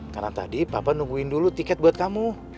karena tadi papa nungguin dulu tiket buat kamu